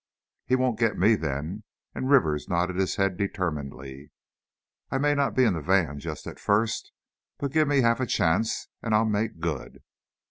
"He won't get me, then," and Rivers nodded his head determinedly; "I may not be in the van, just at first, but give me half a chance, and I'll make good!"